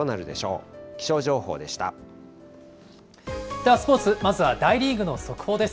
ではスポーツ、まずは大リーグの速報です。